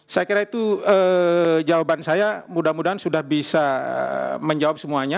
saya kira itu jawaban saya mudah mudahan sudah bisa menjawab semuanya